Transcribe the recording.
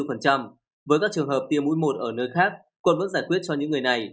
với các trường hợp tiêm mũi một ở nơi khác quân vẫn giải quyết cho những người này